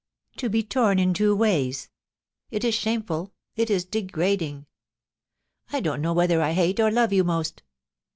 To be torn in two ways — it is shameful — it is degrading !... I don't know whether I hate or love you most